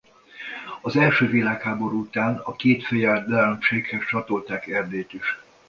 Az első világháború után a két fejedelemséghez csatolták Erdélyt is.